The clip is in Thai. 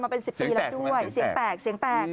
มีลูกค้าประจำมาเป็น๑๐ปีแล้วด้วยเสียงแตก